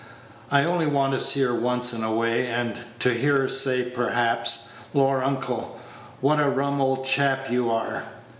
I only want to see her once in a way, and to hear her say, perhaps, 'Lor, uncle, what a rum old chap you are!'